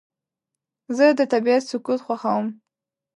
زه د طبیعت سکوت خوښوم.